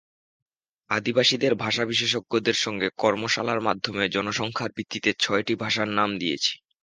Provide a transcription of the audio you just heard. আদিবাসীদের ভাষা বিশেষজ্ঞদের সঙ্গে কর্মশালার মাধ্যমে জনসংখ্যার ভিত্তিতে ছয়টি ভাষার নাম দিয়েছি।